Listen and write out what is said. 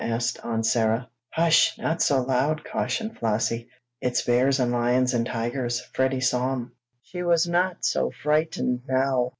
asked Aunt Sarah. "Hush! Not so loud!" cautioned Flossie. "It's bears and lions and tigers. Freddie saw 'em!" She was not so frightened now.